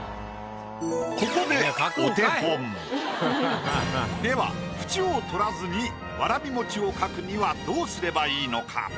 ここでお手本。では縁を取らずにわらび餅を描くにはどうすればいいのか？